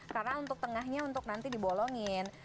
karena untuk tengahnya untuk nanti dibolongin